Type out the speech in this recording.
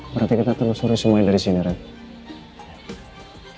berarti kita terus suruh semuanya dari sini rena